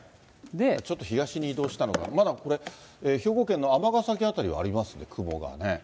ちょっと東に移動したのが、まだこれ、兵庫県の尼崎辺りはありますね、雲がね。